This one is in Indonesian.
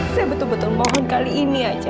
saya betul betul mohon kali ini aja